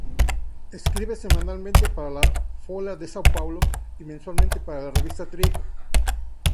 Escribe semanalmente para la "Folha de São Paulo" y mensualmente para la "Revista Trip".